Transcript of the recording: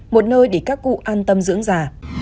một nơi để các cụ an tâm dưỡng già